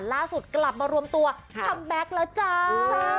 ล่าสุดกลับมารวมตัวคัมแบ็คแล้วจ้า